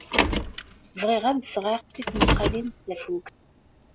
Bɣiɣ ad d-sɣeɣ tismaqqalin n tafukt.